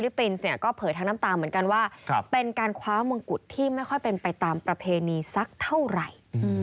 ปินส์เนี่ยก็เผยทั้งน้ำตาเหมือนกันว่าเป็นการคว้ามงกุฎที่ไม่ค่อยเป็นไปตามประเพณีสักเท่าไหร่